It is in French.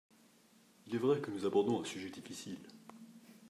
Il est vrai que nous abordons un sujet difficile.